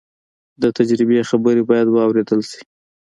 د تجربې خبرې باید واورېدل شي.